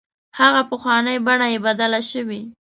هغه پخوانۍ بڼه یې بدله شوې.